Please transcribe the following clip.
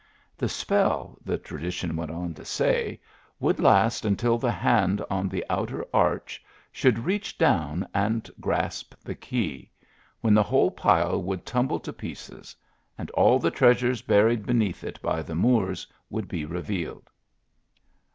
The spell, the tradition >%<, <in to say, would last until the hand on the cuter arch should reach down aitd grasp the key, when the" whole pile would tumble to pieces, and all the treasures buried beneath it by the Moors would be revealed.